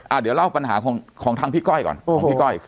เดี๋ยวเล่าปัญหาของทางพี่ก้อยก่อนของพี่ก้อย